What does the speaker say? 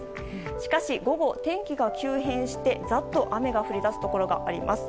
しかし、午後天気が急変してざっと雨が降り出すところがあります。